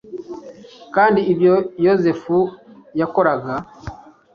kandi ibyo yozefu yakoraga